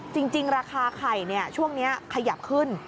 จริงราคาไข่ช่วงนี้ขยับขึ้น